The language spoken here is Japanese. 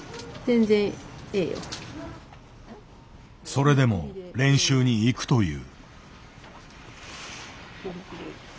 それでも練習に行くという。